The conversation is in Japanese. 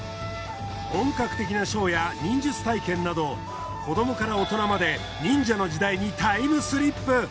本格的なショーや忍術体験など子どもから大人まで忍者の時代にタイムスリップ。